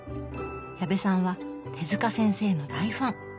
矢部さんは手先生の大ファン。